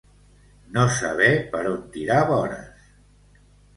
No saber per on tirar vores.